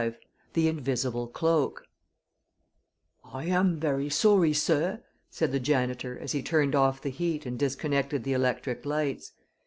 V THE INVISIBLE CLOAK "I am very sorry, sorr," said the janitor as he turned off the heat and disconnected the electric lights.